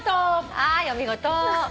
はいお見事！